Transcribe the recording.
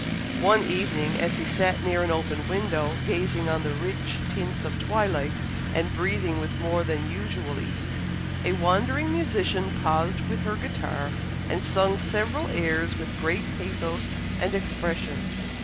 One evening, as he sat near an open window, gazing on the rich tints of twilight, and breathing with more than usual ease, a wandering musician paused with her guitar, and sung several airs with great pathos and expression.